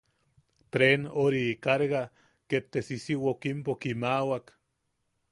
Treen... ori... kaarga..., ket te sisiwookimpo kiimawak.